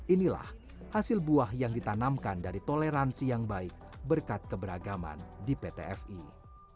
inilah hasil buah yang ditanamkan dari toleransi yang baik berkat keberagaman di pt fi